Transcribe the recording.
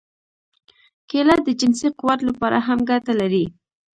کېله د جنسي قوت لپاره هم ګټه لري.